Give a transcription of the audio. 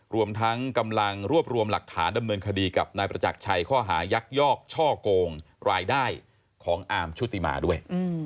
รวมทั้งกำลังรวบรวมหลักฐานดำเนินคดีกับนายประจักรชัยข้อหายักยอกช่อกงรายได้ของอาร์มชุติมาด้วย